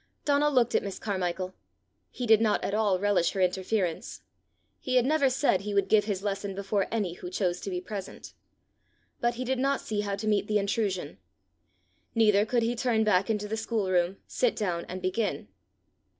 Donal looked at Miss Carmichael. He did not at all relish her interference. He had never said he would give his lesson before any who chose to be present! But he did not see how to meet the intrusion. Neither could he turn back into the schoolroom, sit down, and begin.